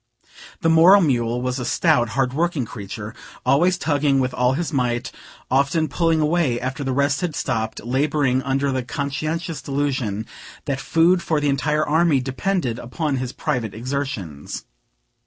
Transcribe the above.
The moral mule was a stout, hard working creature, always tugging with all his might; often pulling away after the rest had stopped, laboring under the conscientious delusion that food for the entire army depended upon his private exertions.